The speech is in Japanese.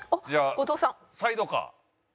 後藤さん。